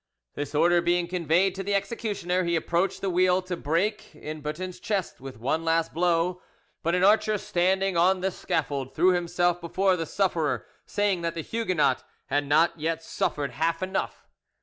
This order being conveyed to the executioner, he approached the wheel to break in Boeton's chest with one last blow; but an archer standing on the scaffold threw himself before the sufferer, saying that the Huguenot had not yet suffered half enough.